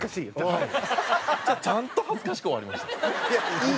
ちゃんと恥ずかしく終わりました。